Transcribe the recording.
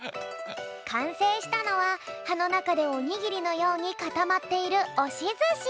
かんせいしたのははのなかでおにぎりのようにかたまっているおしずし！